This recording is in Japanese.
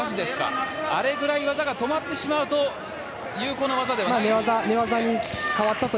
あれぐらい技が止まってしまうと有効な技ではない。